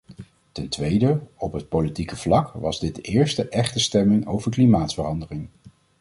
Ten tweede, op het politieke vlak, was dit de eerste echte stemming over klimaatverandering.